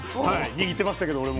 握ってましたけど俺も。